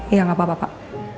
iya nggak apa apa pak